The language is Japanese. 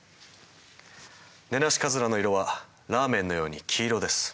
ネナシカズラの色はラーメンのように黄色です。